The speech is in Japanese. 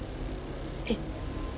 えっ。